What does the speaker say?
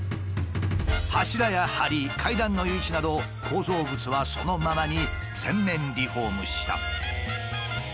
柱やはり階段の位置など構造物はそのままに全面リフォームした。